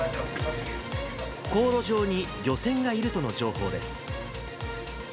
航路上に漁船がいるとの情報です。